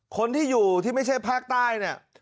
คนที่อยู่ที่ไม่ใช่ภาคใต้เนี่ย